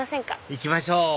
行きましょう！